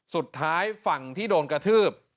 สุดท้ายฝั่งที่โดนกระทืบ